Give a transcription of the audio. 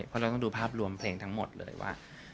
เพราะเราต้องดูภาพรวมเพลงทั้งหมดเลยว่า